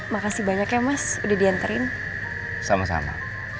makasih banyak ya mas udah di enterin sama sama